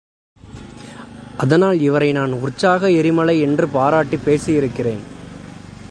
அதனால் இவரை நான் உற்சாக எரிமலை என்று பாராட்டிப் பேசியிருக்கிறேன்.